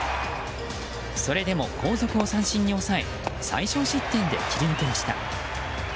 それでも後続を三振に抑え最少失点で切り抜けました。